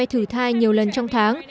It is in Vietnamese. và có thể thử thai nhiều lần trong tháng